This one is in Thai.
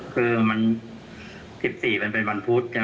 คือบนอาทิตย์๑๔เป็นวันพุธ